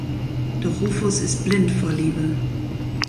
Doch Rufus ist blind vor Liebe.